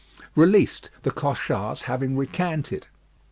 Released: the Cochards having recanted."